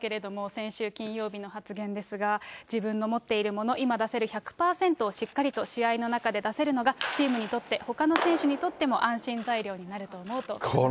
先週金曜日の発言ですが、自分の持っているもの、今出せる１００％を、しっかりと試合の中で出せるのが、チームにとって、ほかの選手にとっても、安心材料になると思うと言ってましたね。